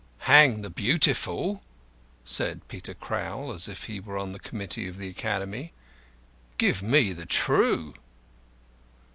"Hang the Beautiful!" said Peter Crowl, as if he were on the committee of the Academy. "Give me the True."